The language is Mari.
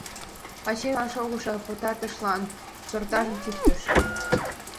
Пачерлан шогышо пытартышлан сортажым чӱктыш.